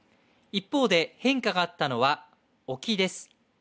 一方で変化があったのは沖です。